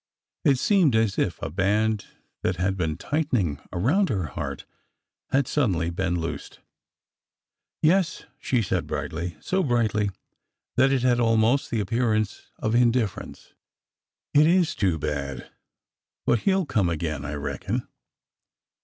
It seemed as if a band that had been tightening around her heart had sud denly been loosed. '' Yes," she said brightly,— so brightly that it had al most the appearance of indifference, —'' it is too bad. But he 'll come again, I reckon."